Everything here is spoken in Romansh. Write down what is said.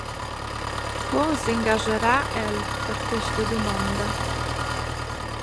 Co s’ingascharà El per quista dumonda?